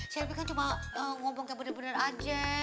shelby kan cuma ngomong kayak bener bener aja